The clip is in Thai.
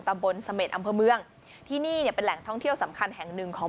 ตำบลเสม็ดอำเภอเมืองที่นี่เนี่ยเป็นแหล่งท่องเที่ยวสำคัญแห่งหนึ่งของ